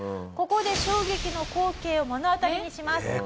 ここで衝撃の光景を目の当たりにします。